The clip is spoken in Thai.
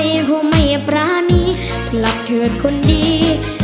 เพราะไม่ประณีกลับเถิดคนดี